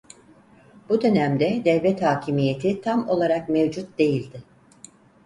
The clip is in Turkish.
Bu dönemde devlet hakimiyeti tam olarak mevcut değildi.